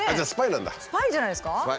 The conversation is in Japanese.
スパイじゃないですか？